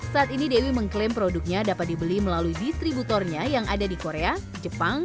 saat ini dewi mengklaim produknya dapat dibeli melalui distributornya yang ada di korea jepang